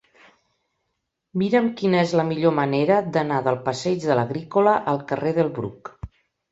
Mira'm quina és la millor manera d'anar del passeig de l'Agrícola al carrer del Bruc.